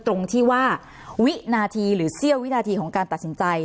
ตรงที่ว่าวินาทีหรือเสี้ยววินาทีของการตัดสินใจ